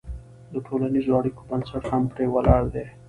د ټولنیزو اړیکو بنسټ هم پرې ولاړ دی.